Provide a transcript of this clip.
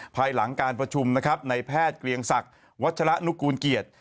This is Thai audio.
ภายหลังการประชุมนะครับในแพทย์เกรียงศักดิ์วัชระนุกูลเกียรติ